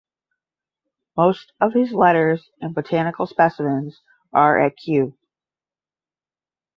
Most of his letters and botanical specimens are at Kew.